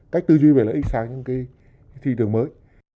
cách tư duy về lợi ích sang những cái thị trường mới